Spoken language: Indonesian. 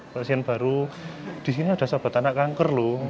pasien baru di sini ada sahabat anak kanker lho